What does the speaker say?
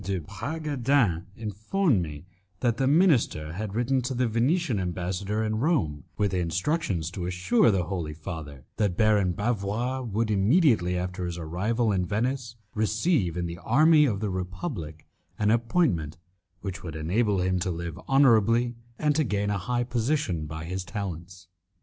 de Bragadin informed me that the minister had written to the Venetian ambassador in Rome with instructions to assure the Holy Father that Baron Bavois would, immediately after his arrival in Venice, receive in the army of the Republic an appointment which would enable him to live honourably and to gain a high position by his talents.